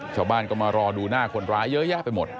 ชาวบ้านก็มารอดูหน้าคนร้ายเยอะแยะไปหมด